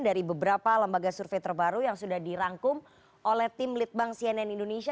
dari beberapa lembaga survei terbaru yang sudah dirangkum oleh tim litbang cnn indonesia